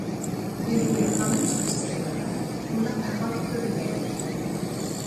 ئىلگىرى قانۇن چىقىرىش جەريانىدا، بۇنداق ئەھۋال كۆرۈلگەنىدى.